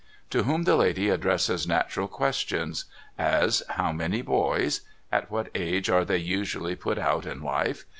To whom the lady addresses natural questions : As, how many boys? At what age are they usually put out in life?